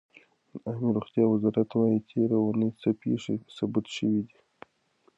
د عامې روغتیا وزارت وایي تېره اوونۍ څه پېښې ثبت شوې دي.